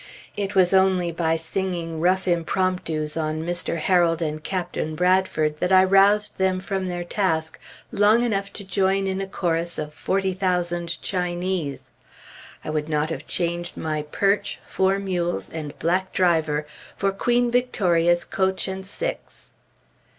It was only by singing rough impromptus on Mr. Harold and Captain Bradford that I roused them from their task long enough to join in a chorus of "Forty Thousand Chinese." I would not have changed my perch, four mules, and black driver, for Queen Victoria's coach and six.